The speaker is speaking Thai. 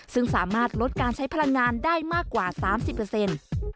ซึ่งสามารถลดการใช้พลังงานได้มากกว่า๓๐เปอร์เซ็นต์